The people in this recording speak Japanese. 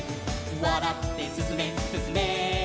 「わらってすすめすすめ」「」